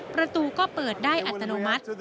ประตูก็เปิดได้อัตโนมัติ